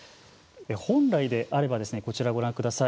本来であればこちら、ご覧ください。